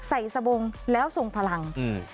ใส่สบงแล้วส่งพลัง